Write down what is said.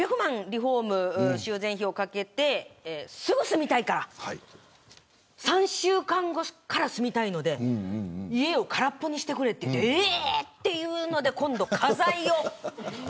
リフォーム修繕費をかけて３週間後から住みたいので家を空っぽにしてくれといってえーっというので今度、家財を。